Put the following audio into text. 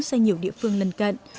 sang nhiều địa phương lần cận